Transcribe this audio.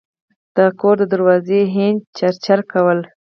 د کور دروازې هینج چرچره کوله.